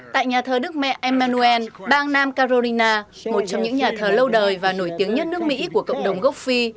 tại nhà thờ đức mẹ emmanuel bang nam carolina một trong những nhà thờ lâu đời và nổi tiếng nhất nước mỹ của cộng đồng gốc phi